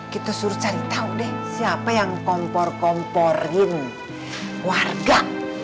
kita suruh cari tahu deh siapa yang kompor komporin warga